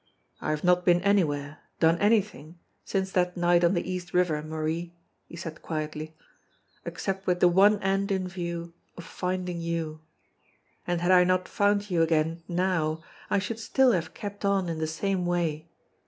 "I have not been anywhere, done anything, since that night on the East River, Marie," he said quietly, "except with the one end in view ef finding you. And had I not found you again now I should still have kept on in the same way.